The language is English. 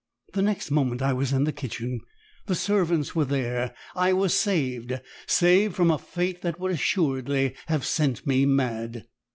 The next moment I was in the kitchen the servants were there I was saved saved from a fate that would assuredly have sent me mad.